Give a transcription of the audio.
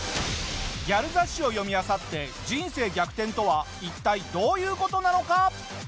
ギャル雑誌を読み漁って人生逆転とは一体どういう事なのか？